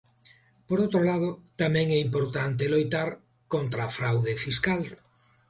Por outro lado, tamén é importante loitar contra a fraude fiscal.